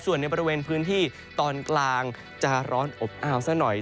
ส่วนในบริเวณพื้นที่ตอนกลางจะร้อนอบอ้าวซะหน่อย